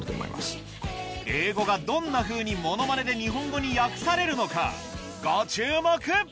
英語がどんなふうにものまねで日本語に訳されるのかご注目